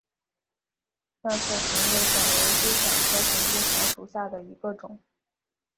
淡色同叶藓为灰藓科同叶藓属下的一个种。